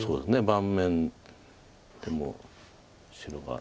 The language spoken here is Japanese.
盤面でも白が。